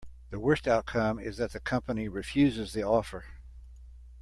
The worst outcome is that the company refuses the offer.